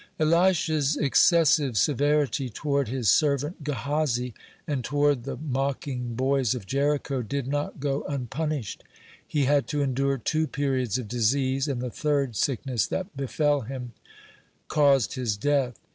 (19) Elisha's excessive severity toward his servant Gehazi and toward the mocking boys of Jericho did not go unpunished. He had to endure two periods of disease, and the third sickness that befell him cause his death.